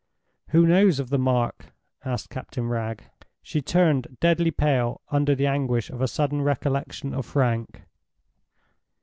"Who knows of the mark?" asked Captain Wragge. She turned deadly pale under the anguish of a sudden recollection of Frank.